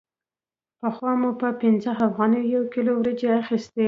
پخوا مو په پنځه افغانیو یو کیلو وریجې اخیستلې